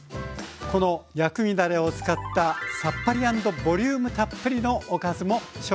この薬味だれを使ったさっぱり＆ボリュームたっぷりのおかずも紹介します。